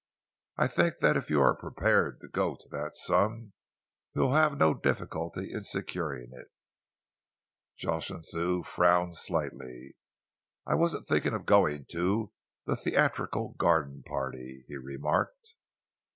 I think that if you are prepared to go to that sum, you will have no difficulty in securing it." Jocelyn Thew frowned slightly. "I wasn't thinking of going to the Theatrical Garden Party," he remarked.